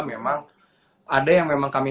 memang ada yang memang kami